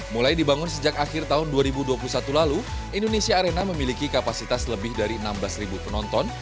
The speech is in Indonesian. mulai dibangun sejak akhir tahun dua ribu dua puluh satu lalu indonesia arena memiliki kapasitas lebih dari enam belas penonton